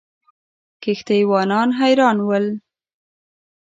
کښتۍ وانان حیران ول.